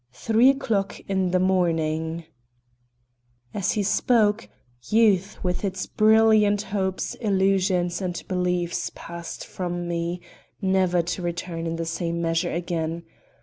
V THREE O'CLOCK IN THE MORNING As he spoke, youth with its brilliant hopes, illusions and beliefs passed from me, never to return in the same measure again.